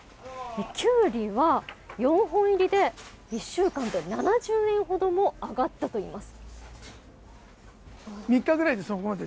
キュウリは、４本入りで１週間で７０円ほども上がったといいます。